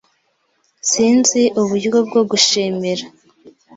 Sinzi uburyo bwo gushimira.